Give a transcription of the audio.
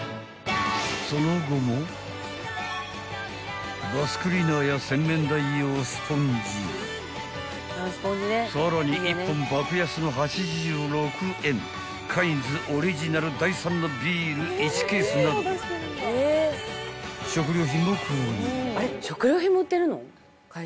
［その後もバスクリーナーや洗面台用スポンジさらに１本爆安の８６円カインズオリジナル第３のビール１ケースなど食料品も購入］